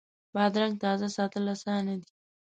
بادرنګ تازه ساتل اسانه دي.